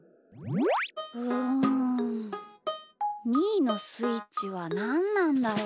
うんみーのスイッチはなんなんだろう？